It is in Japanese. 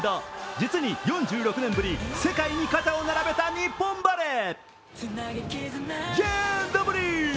実に４６年ぶり、世界に肩を並べた日本バレー。